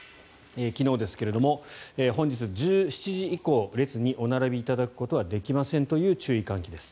昨日ですが、本日１７時以降列にお並びいただくことはできませんという注意喚起です。